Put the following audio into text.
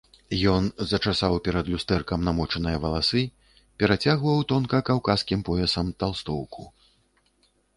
Ён зачасаў перад люстэркам намочаныя валасы, перацягваў тонка каўказскім поясам талстоўку.